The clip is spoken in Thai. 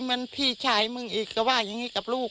เหมือนพี่ชายมึงอีกก็ว่าอย่างนี้กับลูก